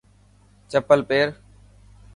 چپل پير.